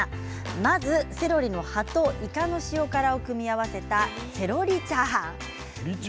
まずセロリの葉といかの塩辛を組み合わせたセロリチャーハン。